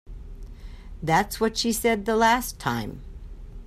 That's what she said the last time.